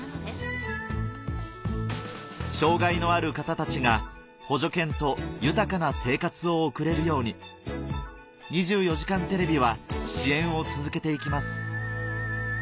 障がいのある方たちが補助犬と豊かな生活を送れるように『２４時間テレビ』は支援を続けていきます